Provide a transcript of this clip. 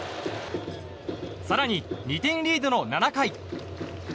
更に２点リードの７回。